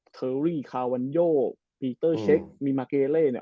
เทอรี่คาวันโยปีเตอร์เช็คมีมาเกเล่เนี่ย